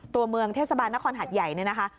ตัวเมืองเทศบาลนครหัดใหญ่เนี่ยนะคะ